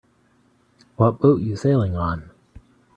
What boat you sailing on?